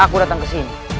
aku datang kesini